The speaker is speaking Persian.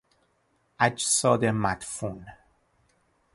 اجساد مدفون